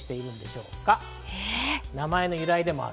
名前の由来でもある？